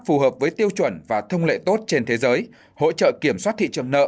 phù hợp với tiêu chuẩn và thông lệ tốt trên thế giới hỗ trợ kiểm soát thị trường nợ